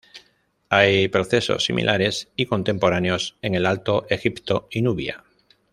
Hay procesos similares y contemporáneos en el Alto Egipto y Nubia.